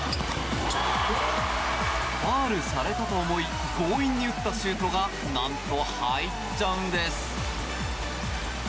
ファウルされたと思い強引に打ったシュートが何と入っちゃうんです。